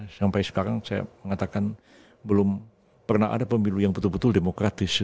sampai sekarang saya mengatakan belum pernah ada pemilu yang betul betul demokratis